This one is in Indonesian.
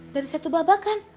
dari satu babakan